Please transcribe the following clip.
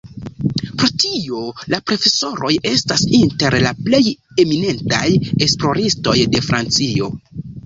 Pro tio, la profesoroj estas inter la plej eminentaj esploristoj de Francio.